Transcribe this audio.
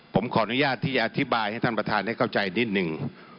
ผมขออนุญาตที่จะอธิบายให้ท่านประธานได้เข้าใจนิดหนึ่ง